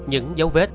những dấu vết